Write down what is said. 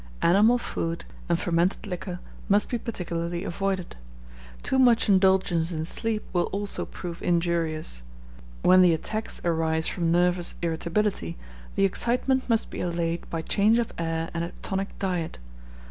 Animal food and fermented liquor must be particularly avoided. Too much indulgence in sleep will also prove injurious. When the attacks arise from nervous irritability, the excitement must be allayed by change of air and a tonic diet.